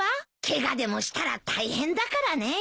ケガでもしたら大変だからね。